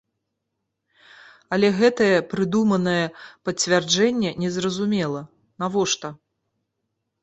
Але гэтае прыдуманае пацвярджэнне незразумела, навошта.